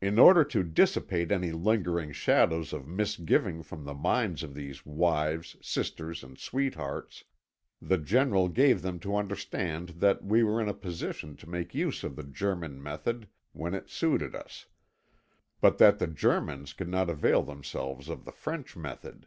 In order to dissipate any lingering shadows of misgiving from the minds of these wives, sisters, and sweethearts, the General gave them to understand that we were in a position to make use of the German method when it suited us, but that the Germans could not avail themselves of the French method.